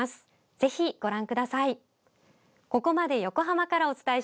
ぜひ、ご覧ください。